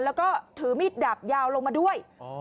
แล้วก็ถือมีดดาบยาวลงมาด้วย